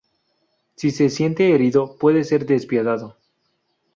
Si se siente herido puede ser despiadado.